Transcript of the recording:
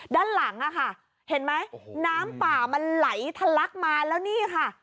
ด้านหลังอะค่ะเห็นไหมน้ำป่ามันไหลทะลักมาแล้วนี่ค่ะ